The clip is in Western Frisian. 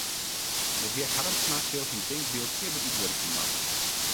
De hear Harmsma sil syn tinkbyld fierder útwurkje moatte.